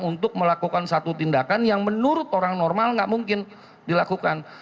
untuk melakukan satu tindakan yang menurut orang normal tidak mungkin dilakukan